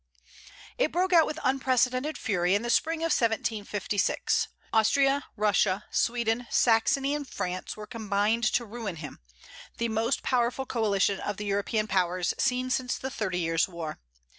It broke out with unprecedented fury in the spring of 1756. Austria, Russia, Sweden, Saxony, and France were combined to ruin him, the most powerful coalition of the European powers seen since the Thirty Years' War.